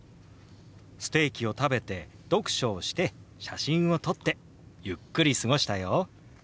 ステーキを食べて読書をして写真を撮ってゆっくり過ごしたよ。